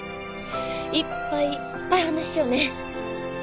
いっぱいいっぱいお話しようね。